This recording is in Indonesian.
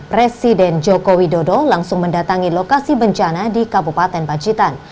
presiden joko widodo langsung mendatangi lokasi bencana di kabupaten pacitan